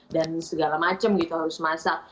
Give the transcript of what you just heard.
dan segala macem gitu harus masak